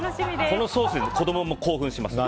このソースで子供も興奮します。